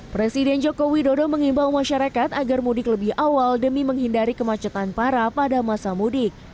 presiden jokowi dodo mengimbau masyarakat agar mudik lebih awal demi menghindari kemacetan parah pada masa mudik